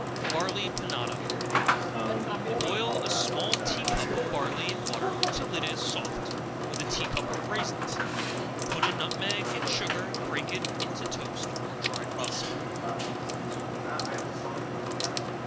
Barley Panada. Boil a small tea cup of barley in water till it is soft, with a tea cup of raisins; put in nutmeg and sugar, and break in it toast or dried rusk.